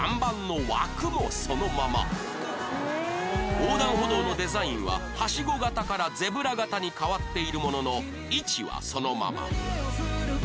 横断歩道のデザインははしご型からゼブラ型に変わっているものの位置はそのまま